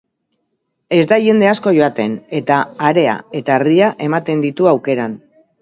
Ez da jende asko joaten, eta area eta harria ematen ditu aukeran.